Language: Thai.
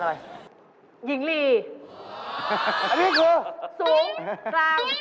นี่นี่ครับ